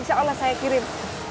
insya allah saya kirim